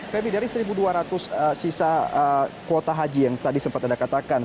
feby dari satu dua ratus sisa kuota haji yang tadi sempat anda katakan